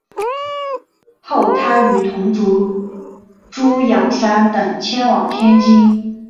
后他与同族朱仰山等迁往天津。